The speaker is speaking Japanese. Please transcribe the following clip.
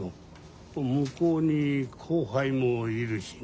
向こうに後輩もいるしね。